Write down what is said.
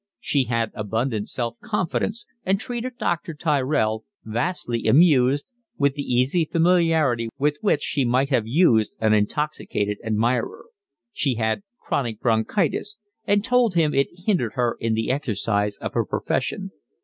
She had abundant self confidence and treated Dr. Tyrell, vastly amused, with the easy familiarity with which she might have used an intoxicated admirer. She had chronic bronchitis, and told him it hindered her in the exercise of her profession.